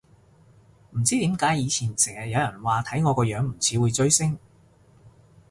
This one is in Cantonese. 唔知點解以前成日有人話睇我個樣唔似會追星